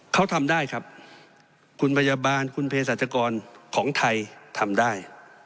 เขาทำได้ครับคุณพยาบาลคุณเพศรัชกรของไทยทำได้